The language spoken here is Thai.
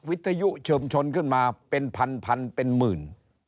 วิทยุเชิมชนขึ้นมาเป็นพันพันเป็นหมื่น